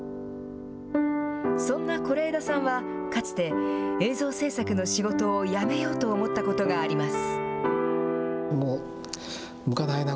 そんな是枝さんは、かつて、映像制作の仕事を辞めようと思ったことがあります。